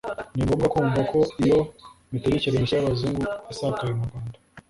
Ni ngombwa kumva ko iyo mitegekere mishya y'Abazungu yasakaye mu Rwanda